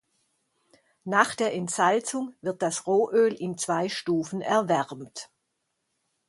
Nach der Entsalzung wird das Rohöl in zwei Stufen erwärmt.